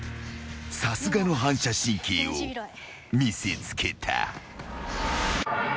［さすがの反射神経を見せつけた］